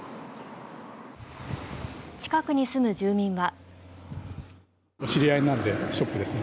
近くに住む住民は。